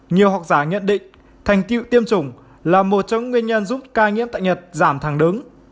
nhiều học giả nhận định thành tiệu tiêm chủng là một trong nguyên nhân giúp ca nhiễm tại nhật giảm thẳng đứng